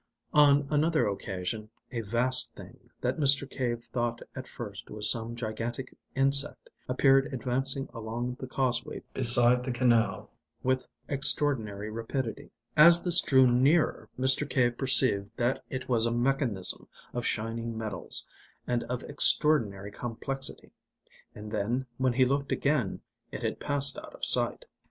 On another occasion a vast thing, that Mr. Cave thought at first was some gigantic insect, appeared advancing along the causeway beside the canal with extraordinary rapidity. As this drew nearer Mr. Cave perceived that it was a mechanism of shining metals and of extraordinary complexity. And then, when he looked again, it had passed out of sight.